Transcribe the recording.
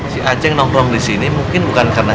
si aceh nomorong disini mungkin bukan karena